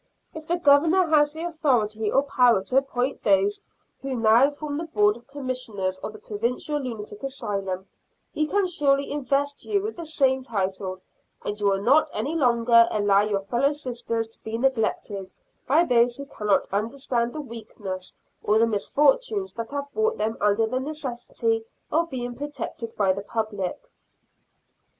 If the Governor has the authority or power to appoint those who now form the Board of Commissioners of the Provincial Lunatic Asylum, he can surely invest you with the same title, and you will not any longer allow your fellow sisters to be neglected by those who cannot understand the weakness or the misfortunes that have brought them under the necessity of being protected by the public.